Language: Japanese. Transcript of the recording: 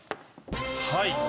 はい。